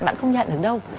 bạn không nhận được đâu